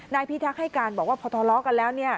พิทักษ์ให้การบอกว่าพอทะเลาะกันแล้ว